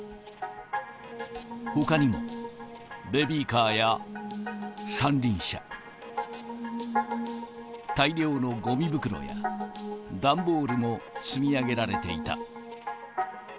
ほかにもベビーカーや三輪車、大量のごみ袋や、段ボールも積み上げられていた。